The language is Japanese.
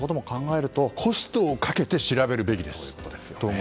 コストをかけて調べるべきです。